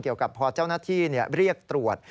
กับพอเจ้าหน้าที่เรียกตรวจ